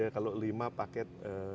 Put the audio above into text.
kalau lima paket